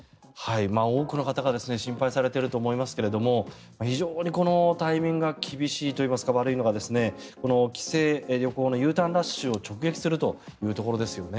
多くの方が心配されていると思いますが非常に、このタイミングが厳しいといいますか悪いのが帰省、旅行のＵターンラッシュを直撃するというところですね。